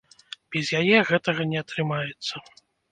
Без яе гэтага не атрымаецца.